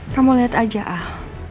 kamu lihat aja ah